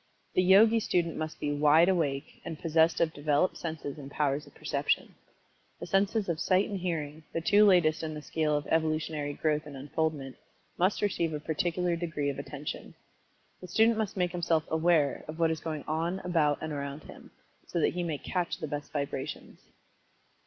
The Yogi student must be "wide awake" and possessed of developed senses and powers of Perception. The senses of Sight and Hearing, the two latest in the scale of Evolutionary growth and unfoldment, must receive a particular degree of attention. The student must make himself "aware" of what is going on about and around him, so that he may "catch" the best vibrations.